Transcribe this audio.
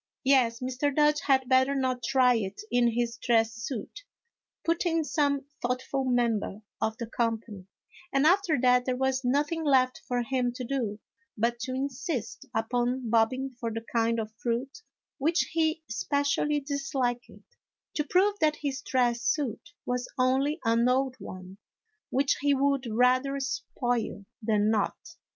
"Yes, Mr. Dodge had better not try it in his dress suit," put in some thoughtful member of the company ; and after that, there was nothing left for him to do but to insist upon bobbing for the kind of fruit which he specially disliked, to prove that his dress suit was only an old one, which he would rather spoil than not.